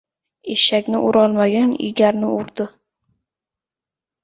• Eshakni urolmagan egarni uradi.